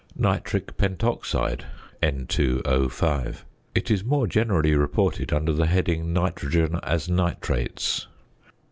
~Nitric Pentoxide (N_O_).~ It is more generally reported under the heading, "nitrogen as nitrates."